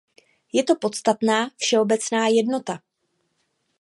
Je to podstatná, všeobecná jednota.